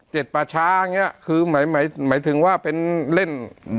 เจ็ดป่าช้าคือหมายถึงว่าเป็นเล่น